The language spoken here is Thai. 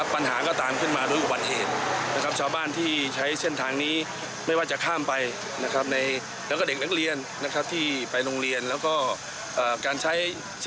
ไปโรงเรียนแล้วก็การใช้ชีวิตวันนี้พวกเราไม่ปลอดภัย